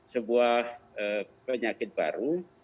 sebuah penyakit baru